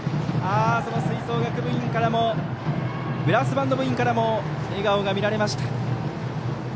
吹奏楽部員ブラスバンド部員からも笑顔が見られました。